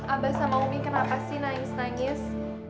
abah sama umi kenapa sih nangis nangis